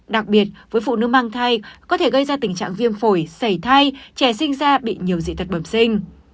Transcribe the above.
đặc biệt với phụ nữ mang thai có thể gây ra tình trạng viêm phổi sảy thai trẻ sinh ra bị nhiều dị tật bẩm sinh